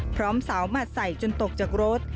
พร้อมเสาหมัดใส่จนตกจากรถ